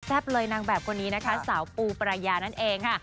เลยนางแบบคนนี้นะคะสาวปูปรายานั่นเองค่ะ